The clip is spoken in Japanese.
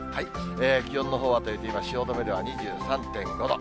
気温のほうはというと、今、汐留では２３．５度。